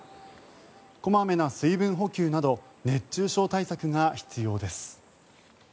小まめな水分補給など熱中症対策が必要です。